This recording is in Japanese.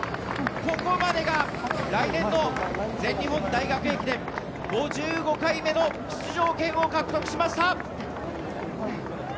ここまでが来年の全日本大学駅伝５５回目の出場権を獲得しました。